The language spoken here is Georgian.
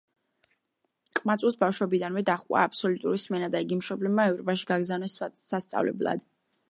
ყმაწვილს ბავშვობიდან დაჰყვა აბსოლუტური სმენა და იგი მშობლებმა ევროპაში გაგზავნეს სასწავლებლად.